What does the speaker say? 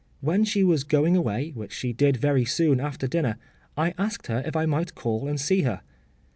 When she was going away, which she did very soon after dinner, I asked her if I might call and see her.